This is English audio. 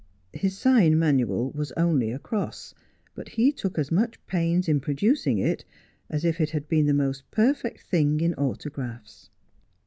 His sign manual was only a cross, but he took as much pains in producing it as if it had been the most perfect thing in autographs.